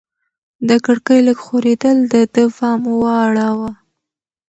د کړکۍ لږ ښورېدل د ده پام واړاوه.